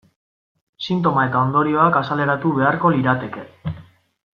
Sintoma eta ondorioak azaleratu beharko lirateke.